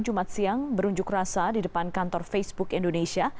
jumat siang berunjuk rasa di depan kantor facebook indonesia